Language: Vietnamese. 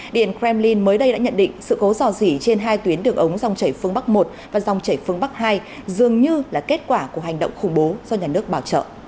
điện kremlin mới đây đã nhận định sự cố dò dỉ trên hai tuyến đường ống dòng chảy phương bắc một và dòng chảy phương bắc hai dường như là kết quả của hành động khủng bố do nhà nước bảo trợ